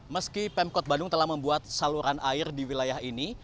meski pemkot bandung telah membuat saluran air di wilayah ini